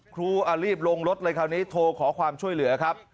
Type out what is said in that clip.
รีบลงรถเลยคราวนี้โทรขอความช่วยเหลือครับ